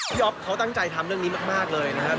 อ๊อฟเขาตั้งใจทำเรื่องนี้มากเลยนะครับ